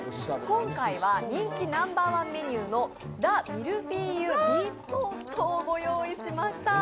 今回は人気ナンバーワンメニューのダミルフィーユビーフトーストをご用意しました。